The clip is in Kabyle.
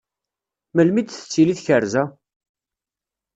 Melmi i d-tettili tkerza?